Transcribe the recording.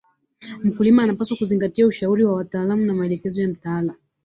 Mkulima anapaswa kuzingatia ushauri wa wataalam na maelekezo ya mtaala